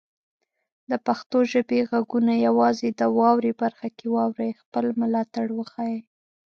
د پښتو ژبې غږونه یوازې د "واورئ" برخه کې واورئ، خپل ملاتړ وښایئ.